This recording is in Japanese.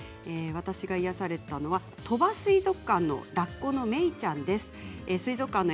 私が癒やされたのは鳥羽水族館のラッコのめいちゃんです。